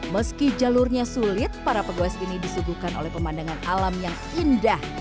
meski jalurnya sulit para pegoes ini disuguhkan oleh pemandangan alam yang indah